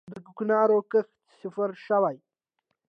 د کوکنارو کښت صفر شوی؟